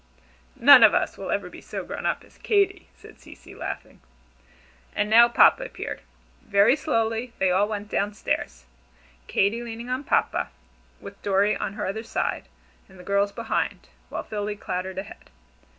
"None of us will ever be so 'grown up' as Katy," said Cecy, laughing. And now Papa appeared. Very slowly they all went down stairs, Katy leaning on Papa, with Dorry on her other side, and the girls behind, while Philly clattered ahead.